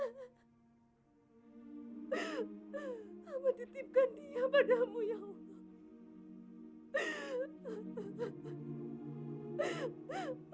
kamu titipkan dia padamu ya allah